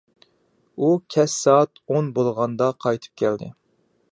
ئۇ كەچ سائەت ئون بولغاندا قايتىپ كەلدى.